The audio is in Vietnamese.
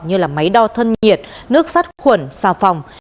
như máy đo thân nhiệt nước sắt khuẩn xà phòng